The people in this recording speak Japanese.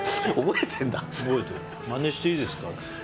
まねしていいですかって。